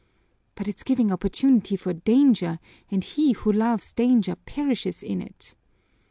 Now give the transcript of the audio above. "But it's giving opportunity for danger, and he who loves danger perishes in it."